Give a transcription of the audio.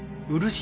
漆？